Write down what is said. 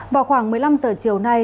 vào khoảng một mươi năm h chiều nay